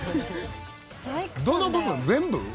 「どの部分？全部？」